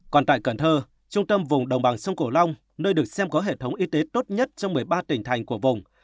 còn tại cần thơ trung tâm vùng đồng bằng sông cổ long nơi được xem có hệ thống y tế tốt nhất trong một mươi ba tỉnh thành của vùng